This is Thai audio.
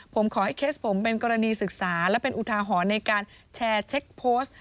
ผมขอให้เคสผมเป็นกรณีศึกษาและเป็นอุทาหรณ์ในการแชร์เช็คโพสต์